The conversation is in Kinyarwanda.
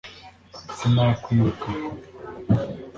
sinakwibuka